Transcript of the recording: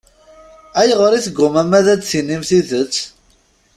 Ayɣer i teggummam ad d-tinim tidet?